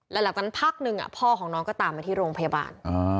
หลังจากนั้นพักหนึ่งพ่อของน้องก็ตามมาที่โรงพยาบาล